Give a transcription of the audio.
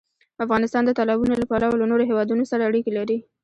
افغانستان د تالابونه له پلوه له نورو هېوادونو سره اړیکې لري.